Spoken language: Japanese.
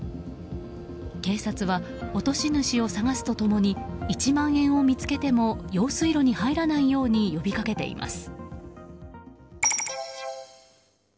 警察は落とし主を捜すと共に１万円を見つけても用水路に入らないように呼びかけています。